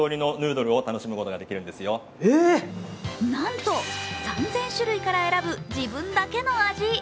なんと３０００種類から選ぶ自分だけの味。